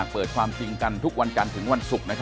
พบหากับคนอื่นอีก